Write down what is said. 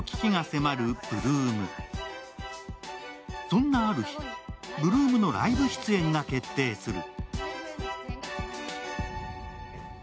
そんなある日、８ＬＯＯＭのライブ出演が決定する。